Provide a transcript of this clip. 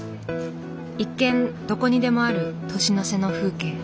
一見どこにでもある年の瀬の風景。